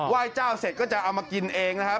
ไหว้เจ้าเสร็จก็จะเอามากินเอง